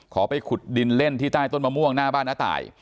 ไปขุดดินเล่นที่ใต้ต้นมะม่วงหน้าบ้านน้าตาย